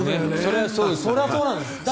それはそうなんです。